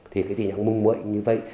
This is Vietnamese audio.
thì cái tình trạng mê mội như vậy